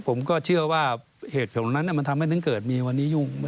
ผมก็เชื่อว่าเหตุผลนั้นมันทำให้ถึงเกิดมีวันนี้ยุ่ง